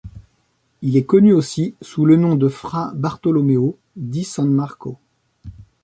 Il est connu aussi sous le nom de Fra Bartolomeo di San Marco.